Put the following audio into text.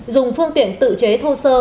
dùng phương tiện tự chế thô sơ